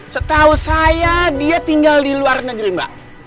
setahu saya dia tinggal di luar negeri mbak